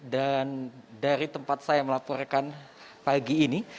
dan dari tempat saya melaporkan pagi ini